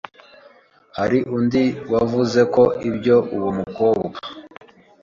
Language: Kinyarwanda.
Hari undi wavuze ko ibyo uwo mukobwa